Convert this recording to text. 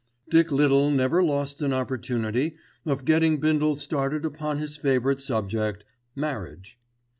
Dick Little never lost an opportunity of getting Bindle started upon his favourite subject—marriage.